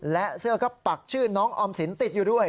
และเสื้อก็ปักชื่อน้องออมสินติดอยู่ด้วย